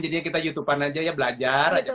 jadinya kita youtube an aja ya belajar aja